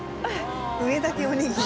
上だけおにぎり。